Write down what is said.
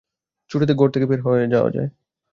ছুটে ঘর থেকে বের হয়ে যায়।